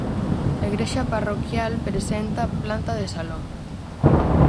A igrexa parroquial presenta planta de salón.